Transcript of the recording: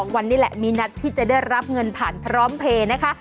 วันนี้แหละมีนัดที่จะได้รับเงินผ่านพร้อมเพลย์นะคะ